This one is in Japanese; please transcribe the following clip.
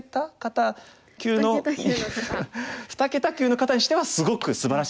二桁級の方にしてはすごくすばらしい手。